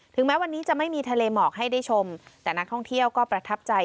แม้วันนี้จะไม่มีทะเลหมอกให้ได้ชมแต่นักท่องเที่ยวก็ประทับใจ